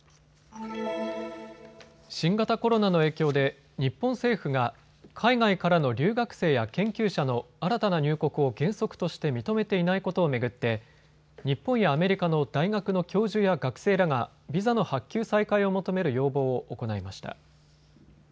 新型コロナの影響で日本政府が海外からの留学生や研究者の新たな入国を原則として認めていないことを巡って日本やアメリカの大学の教授や学生らがビザの発給再開を求める要望を行いました。